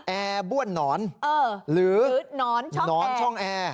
แอร์บ้วนหนอนหรือหนอนช่องแอร์